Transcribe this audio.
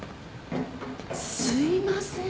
すいません。